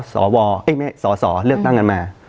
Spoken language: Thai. สอบวอลเอ้ยไม่สอบสอบเลือกตั้งกันมา